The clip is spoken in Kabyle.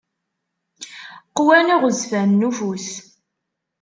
Qwan iɣezzfanen ufus.